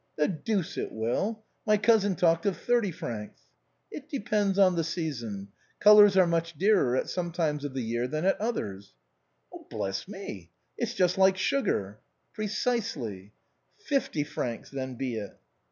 " The deuce it will ! My cousin talked of thirty francs." " It depends on the season. Colors are much dearer at some times of the year than at others." " Bless me ! it's just like sugar !"" Precisely." " Fifty francs then be it."